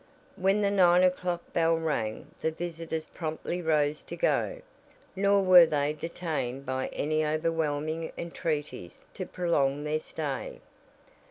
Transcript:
When the nine o'clock bell rang the visitors promptly rose to go, nor were they detained by any overwhelming entreaties to prolong their stay.